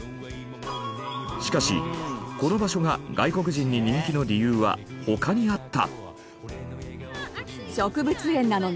しかしこの場所が外国人に人気の理由は他にあった。